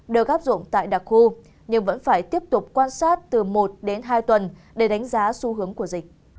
được áp dụng tại đặc khu nhưng vẫn phải tiếp tục quan sát từ một đến hai tuần để đánh giá xu hướng của dịch